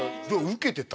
ウケてた？